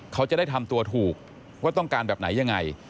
เขาจะได้ทำตัวถูกว่าต้องการแบบไหนยังไง